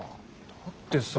だってさ。